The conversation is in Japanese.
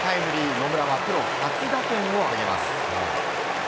野村はプロ初打点を挙げます。